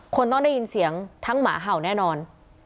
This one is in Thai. คนต้องได้ยินเสียงทั้งหมาเห่าแน่นอน